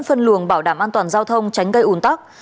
phân luồng bảo đảm an toàn giao thông tránh gây ủn tắc